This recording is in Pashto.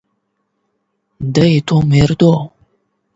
دا ستا مور ده ؟